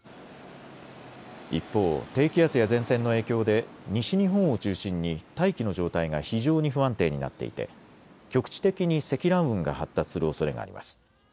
一方、低気圧や前線の影響で西日本を中心に大気の状態が非常に不安定になっていて局地的に積乱雲が発達するおそれがあります。